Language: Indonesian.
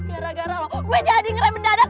gara gara lo gue jadi ngeray mendadak